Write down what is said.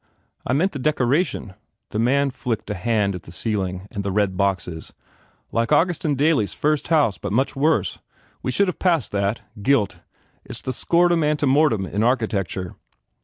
"I meant the decoration." The man flicked a hand at the ceiling and the red boxes, "Like Augustin Daly s first house but much worse. We should have passed that. Gilt. It s the scortum ante mortum in architecture."